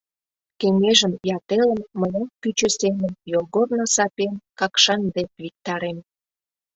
Кеҥежым я телым мыят пӱчӧ семын йолгорно сапем Какшан дек виктарем.